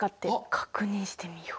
確認してみよう！